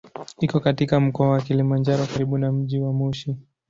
Iko katika Mkoa wa Kilimanjaro karibu na mji wa Moshi.